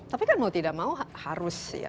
tapi kan mau tidak mau harus ya